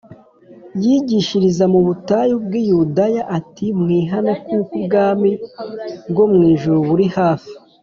yigishiriza mu butayu bw’i Yudaya ati“Mwihane kuko ubwami bwo mu ijuru buri hafi